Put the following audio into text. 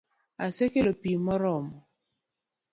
Asekelo pi moromo